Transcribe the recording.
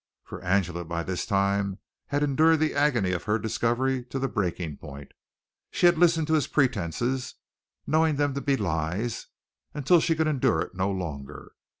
For Angela, by this time, had endured the agony of her discovery to the breaking point. She had listened to his pretences, knowing them to be lies, until she could endure it no longer.